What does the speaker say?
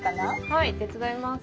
はい手伝います。